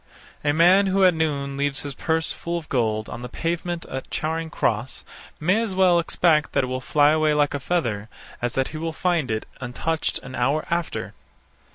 A man who at noon leaves his purse full of gold on the pavement at Charing Cross, may as well expect that it will fly away like a feather, as that he will find it untouched an hour after.